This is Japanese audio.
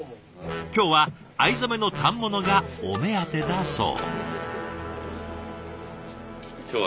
今日は藍染めの反物がお目当てだそう。